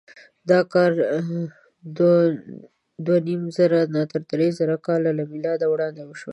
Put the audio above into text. دا کار دوهنیمزره تر درېزره کاله له مېلاده وړاندې وشو.